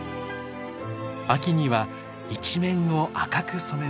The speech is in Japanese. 秋には一面を赤く染めます。